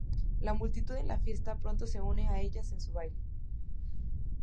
La multitud en la fiesta pronto se une a ellas en su baile.